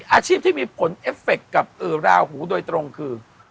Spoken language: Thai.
อาชีพที่มีผลเอฟเฟคกับราหูโดยตรงคือ